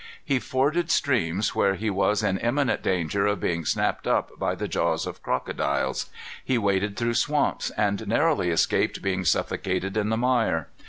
He forded streams where he was in imminent danger of being snapped up by the jaws of crocodiles. He waded through swamps, and narrowly escaped being suffocated in the mire.